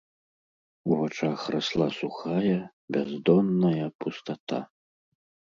У вачах расла сухая, бяздонная пустата.